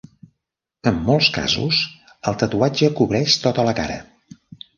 En molts casos el tatuatge cobreix tota la cara.